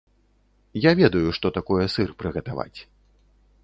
Я ведаю, што такое сыр прыгатаваць.